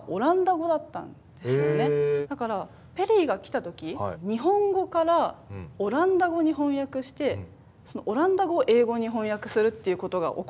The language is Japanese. だからペリーが来た時日本語からオランダ語に翻訳してそのオランダ語を英語に翻訳するっていうことが行われてたんです。